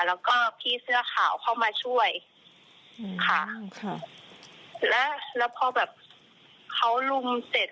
แล้วก็พี่เสื้อขาวเข้ามาช่วยอืมค่ะแล้วแล้วพอแบบเขาลุมเสร็จ